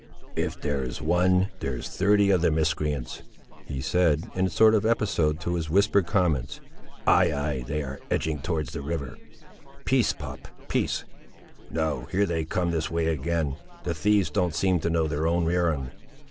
"If there's one, there's thirty of the miscreants!" he said, in a sort of episode to his whispered comments. "Ay, ay; they are edging towards the river—Peace, pup—peace—no, here they come this way again—the thieves don't seem to know their own errand!